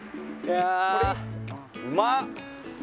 うまっ！